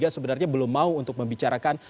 sebenarnya belum mau untuk membicarakan